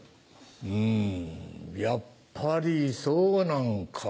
うんやっぱりそうなのか。